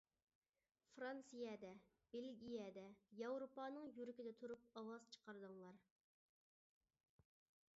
فىرانسىيەدە، بېلگىيەدە ياۋروپانىڭ يۈرىكىدە تۇرۇپ ئاۋاز چىقاردىڭلار!